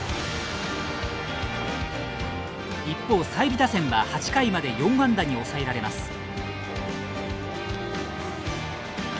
一方、済美打線は８回まで４安打に抑えられます。